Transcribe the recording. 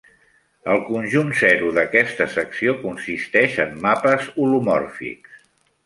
El conjunt zero d'aquesta secció consisteix en mapes holomòrfics.